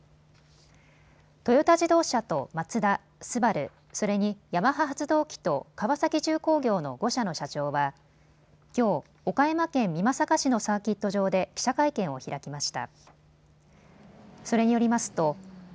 トヨタ自動車とマツダ、ＳＵＢＡＲＵ、それにヤマハ発動機と川崎重工業の５社の社長はきょう岡山県美作市のサーキット場で記者会見を開きました。